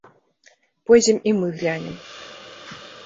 Пойдзем і мы глянем.